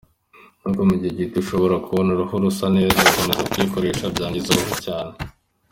Nubwo mu gihe gito ushobora kubona uruhu rusa neza gukomeza kuyikoresha byangiza uruhu cyane.